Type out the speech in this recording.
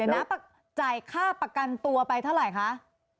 เดี๋ยวนะจ่ายค่าประกันตัวไปเท่าไหร่คะ